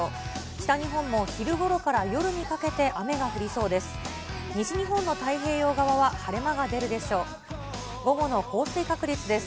北日本も昼ごろから夜にかけて雨が降りそうです。